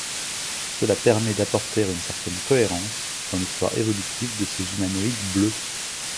Cela permet d'apporter une certaine cohérence dans l'histoire évolutive de ces humanoïdes bleus.